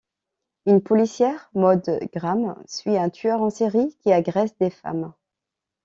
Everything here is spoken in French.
Une policière, Maud Graham, suit un tueur en série qui agresse des femmes.